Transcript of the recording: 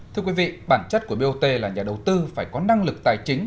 thưa quý vị bản chất của bot là nhà đầu tư phải có năng lực tài chính